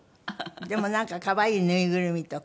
でもなんか可愛いぬいぐるみとか。